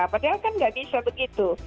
padahal kan nggak bisa begitu